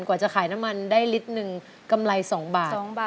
กว่าจะขายน้ำมันได้ลิตรหนึ่งกำไร๒บาท